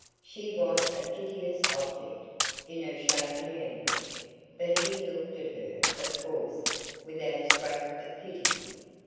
She was a piteous object, in her shaking anguish; but he looked at her, of course, without a scrap of pity.